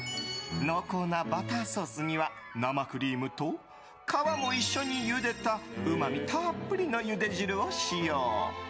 濃厚なバターソースには生クリームと皮も一緒にゆでたうまみたっぷりのゆで汁を使用。